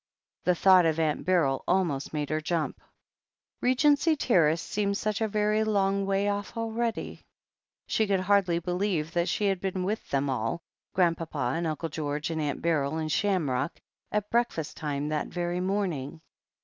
The thought of Aunt Beryl almost made her jump. Regency Terrace seemed such a very long way off already ! She could hardly believe that she had been with them all — Grandpapa and Uncle George and Aunt Beryl, and Shamrock — at breakfast time that very morning.